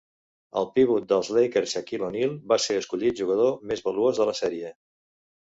El pivot dels Lakers Shaquille O'Neal va ser escollit jugador més valuós de la serie.